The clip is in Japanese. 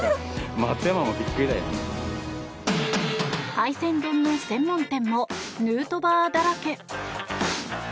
海鮮丼の専門店もヌートバーだらけ。